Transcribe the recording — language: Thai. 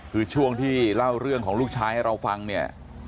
คือช่วงที่เล่าเรื่องของลูกชายให้เราฟังเนี่ย